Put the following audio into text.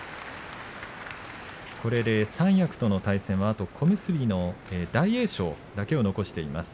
これで三役との対戦はあと小結の大栄翔だけを残しています。